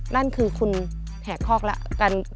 นั่นคือคุณแหกคอกแล้ว